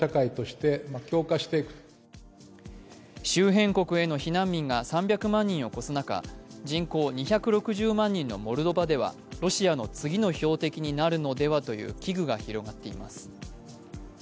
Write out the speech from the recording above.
周辺国への避難民が３００万人を超す中、人口２６０万人のモルドバではロシアの次の標的になるのではという危惧が広がっています。